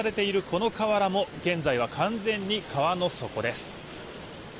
この河原も現在は完全に川の底です。